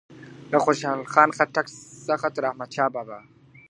له خوشحال خان خټک څخه تر احمدشاه بابا .